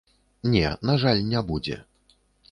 Не, на жаль, не будзе.